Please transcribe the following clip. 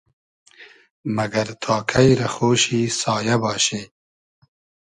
مئگئر تا کݷ رۂ خۉشی سایۂ باشی؟